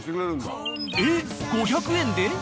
えっ５００円で！？